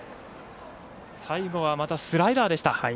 最後は、またスライダーでした。